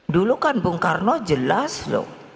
dulu kan bung karno jelas loh